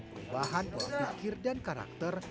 perubahan berpikir dan karakter